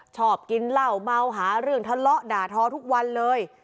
ชอบกินเหล้าเมาหาเรื่องทะเลาะด่าทอทุกวันเลย